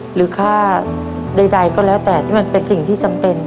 หรือค่าใดก็แล้วแต่ที่มันเป็นสิ่งที่จำเป็น